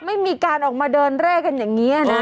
ไม่มีการออกมาเดินเร่กันอย่างนี้นะ